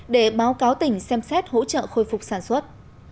để báo cáo tỉnh xem xét hỗ trợ khôi phục sản xuất